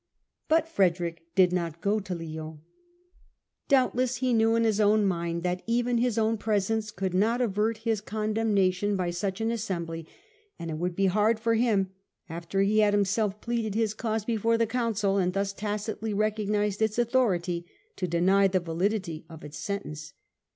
But Frederick did not go to Lyons. Doubtless he knew in his own mind that even his own presence could not avert his condemnation by such an assembly ; and it would be hard for him, after he had himself pleaded his cause before the Council and thus tacitly recognised its authority, to deny the validity of its sentence.